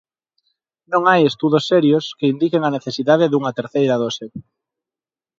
Non hai estudos serios que indiquen a necesidade dunha terceira dose.